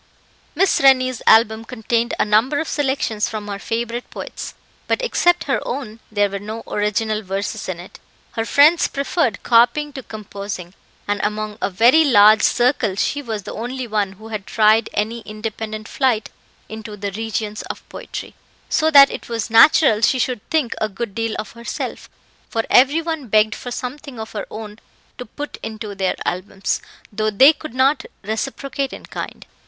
Miss Rennie's album contained a number of selections from her favourite poets, but except her own there were no original verses in it. Her friends preferred copying to composing, and among a very large circle she was the only one who had tried any independent flight into the regions of poetry; so that it was natural she should think a good deal of herself, for every one begged for something of her own to put into their albums, though they could not reciprocate in kind.